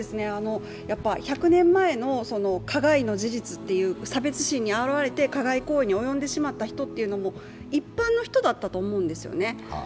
１００年前の加害の事実、差別にあわれて加害行為に及んでしまった人というのも一般の人だったと思うんですよね。